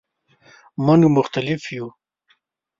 مونږ مختلف یو